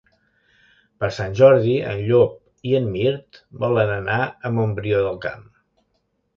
Per Sant Jordi en Llop i en Mirt volen anar a Montbrió del Camp.